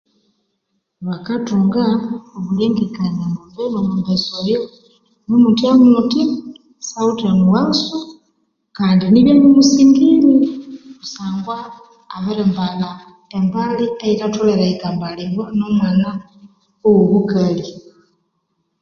Bakathunga amalengekania, ambu omumnesa oyu ni muthya-muthya syawithe mughaso, kandi nibya ni musingiri kusangwa abiri ambalha embali eyithatholere tikambalibwa nomwana wo bukali